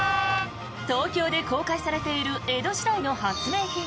東京で公開されている江戸時代の発明品